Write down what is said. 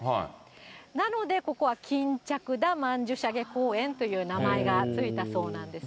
なので、ここは巾着田曼殊沙華公園という名前がついたそうなんですね。